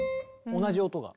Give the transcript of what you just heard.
同じ音が。